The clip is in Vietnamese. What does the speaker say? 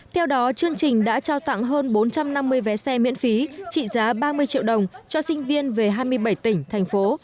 theo đó chương trình đã trao tặng hơn bốn trăm năm mươi vé xe miễn phí trị giá ba mươi triệu đồng cho sinh viên về hai mươi bảy tỉnh thành phố